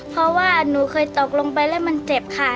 เพราะว่าหนูเคยตกลงไปแล้วมันเจ็บค่ะ